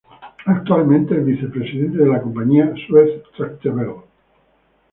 Actualmente es vicepresidente de la compañía Suez-Tractebel.